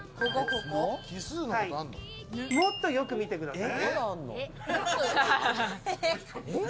もっとよく見てください。